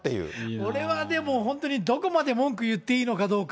これはでも、本当にどこまで文句言っていいのかどうか。